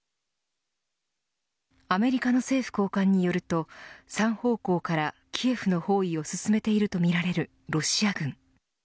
アメリカの政府高官によると３方向からキエフの包囲を進めているとみられるロシア軍。